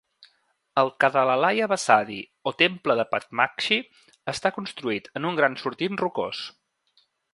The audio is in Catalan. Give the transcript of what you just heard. El "Kadalalaya basadi", o temple de Padmakshi, està construït en un gran sortint rocós.